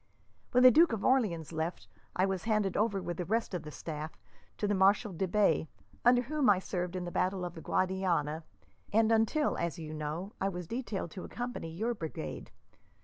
When the Duke of Orleans left, I was handed over with the rest of the staff to the Marshal de Bay, under whom I served in the battle of the Guadiana, and until, as you know, I was detailed to accompany your brigade.